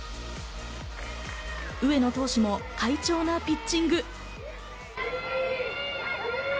上野投手も快調なピッチング。